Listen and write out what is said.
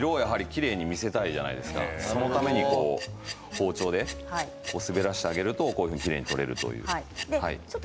色をきれいに見せたいじゃないですか、そのために包丁で滑らせてあげるとこういうふうにきれいに取れると。